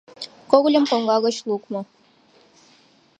Когыльым коҥга гыч лукмо.